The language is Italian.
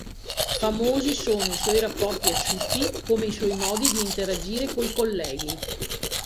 Famosi sono i suoi rapporti asciutti, come i suoi modi di interagire coi colleghi.